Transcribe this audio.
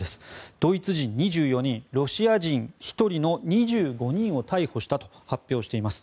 ドイツ人２４人、ロシア人１人の２５人を逮捕したと発表しています。